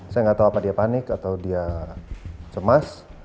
saya gak tau apa dia panik atau dia cemas